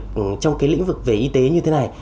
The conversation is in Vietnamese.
làm việc trong cái lĩnh vực về y tế như thế này